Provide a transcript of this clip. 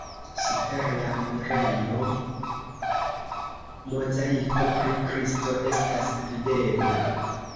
Super la enirejo mozaiko pri Kristo estas videbla.